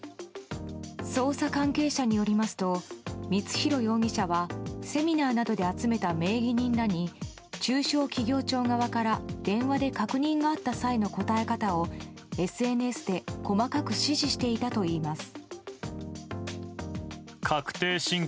捜査関係者によりますと光弘容疑者はセミナーなどで集めた名義人らに中小企業庁側から電話で確認があった際の答え方をＳＮＳで細かく指示していたといいます。